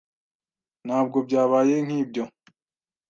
Ntabwo byabaye nkibyo.